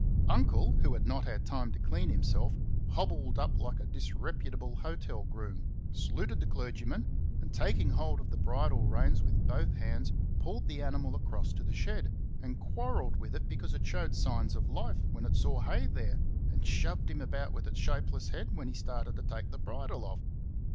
Uncle, who had not had time to clean himself, hobbled up like a disreputable hotel groom, saluted the clergyman, and taking hold of the bridle reins with both hands pulled the animal across to the shed, and quarrelled with it because it showed signs of life when it saw hay there and shoved him about with its shapeless head when he started to take the bridle off.